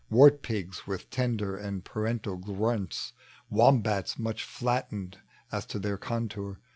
Wart pigs with tender and parental grunts, Wombats much flattened as to their contour.